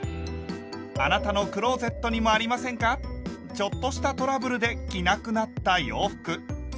ちょっとしたトラブルで着なくなった洋服。